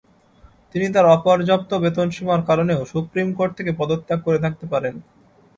তিনি তার অপর্যাপ্ত বেতনসীমার কারণেও সুপ্রিমকোর্ট থেকে পদত্যাগ করে থাকতে পারেন।